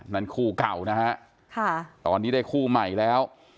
นั่นคู่เก่านะฮะตอนนี้ได้คู่ใหม่แล้ว